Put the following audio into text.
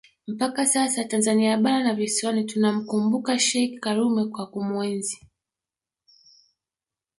mpaka sasa Tanzania bara na visiwani tunamkumbuka Sheikh Karume kwa kumuenzi